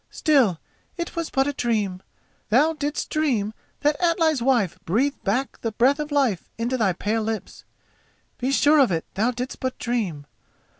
"Still, it was but a dream. Thou didst dream that Atli's wife breathed back the breath of life into thy pale lips—be sure of it thou didst but dream.